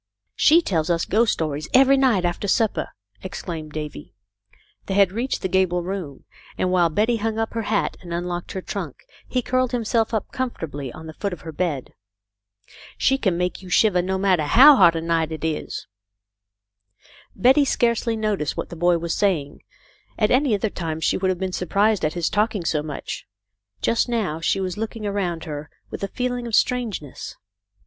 " She tells us ghost stories every night after sup per," exclaimed Davy. They had reached the gable room, and, while Betty hung up her hat and unlocked her trunk, he curled himself up comfortably on the foot of her bed. "She can make you shiver no matter how hot a night it is." BACK TO THE CUCKOO'S NEST. 41 Betty scarcely noticed what the boy was saying. At any other time she would have been surprised at his talking so much. Just now she was looking around her with a feeling of strangeness.